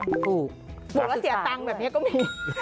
ถูกบวกแล้วเสียตังค์แบบนี้ก็มี